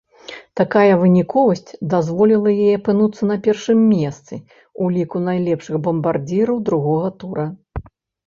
Такая выніковасць дазволіла ёй апынуцца на першым месцы ў ліку найлепшых бамбардзіраў другога тура.